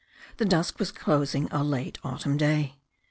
The dusk was closing a late autumn day.